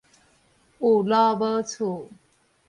有路無厝